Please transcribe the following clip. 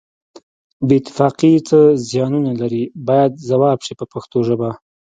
بې اتفاقي څه زیانونه لري باید ځواب شي په پښتو ژبه.